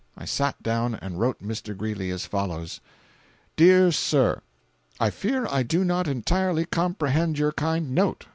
I sat down and wrote Mr. Greeley as follows: "DEAR SIR: I fear I do not entirely comprehend your kind note.